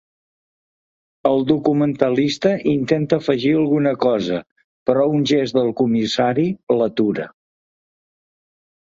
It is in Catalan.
El documentalista intenta afegir alguna cosa, però un gest del comissari l'atura.